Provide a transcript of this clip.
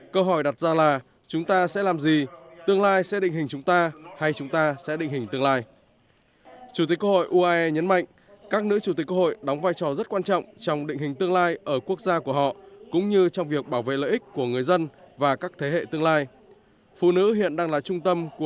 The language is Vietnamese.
câu hỏi đặt ra là chúng ta sẽ làm gì tương lai sẽ định hình chúng ta hay chúng ta sẽ định hình tương lai